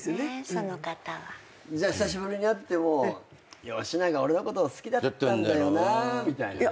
その方は。じゃあ久しぶりに会っても「吉永俺のこと好きだったんだよな」みたいな。